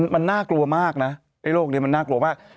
มันน่ากลัวมากนะไอ้โรคนี้มันน่ากลัวมาก